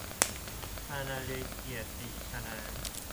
ฮานาเล - กีรติ ชนา